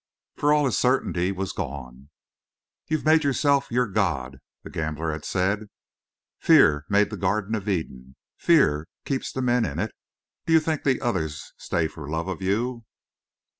For all his certainty was gone. "You've made yourself your God," the gambler had said. "Fear made the Garden of Eden, fear keeps the men in it. Do you think the others stay for love of you?"